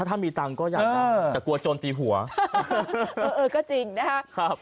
ถ้ามีตังค์ก็อยากได้แต่กลัวโจรตีหัวเออก็จริงนะครับ